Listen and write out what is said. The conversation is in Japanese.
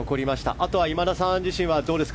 あとは今田さん自身はどうですか。